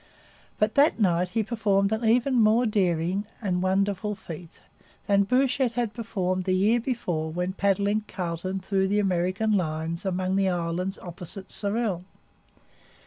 But that night he performed an even more daring and wonderful feat than Bouchette had performed the year before when paddling Carleton through the American lines among the islands opposite Sorel.